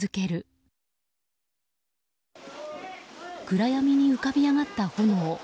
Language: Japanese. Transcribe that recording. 暗闇に浮かび上がった炎。